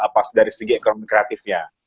pas dari segi ekonomi kreatifnya